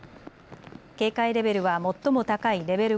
警戒レベルは最も高いレベル